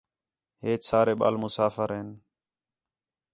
ہیچ سارے ٻال مُسافر ہین